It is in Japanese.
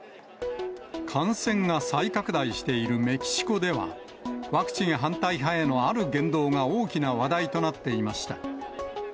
感染が再拡大しているメキシコでは、ワクチン反対派へのある言動が大きな話題となっていました。